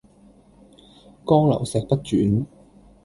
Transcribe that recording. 江流石不轉